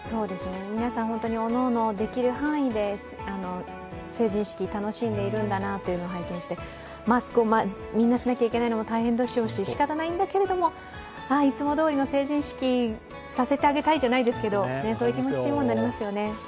皆さん、おのおのできる範囲で成人式、楽しんでいるんだなと拝見してマスクをみんなしなきゃいけないのも大変でしょうし仕方ないんだけれども、いつもどおりの成人式をさせてあげたいじゃないですかけど、そういう気持ちにもなりますよね。